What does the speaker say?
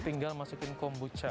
tinggal masukin kombucha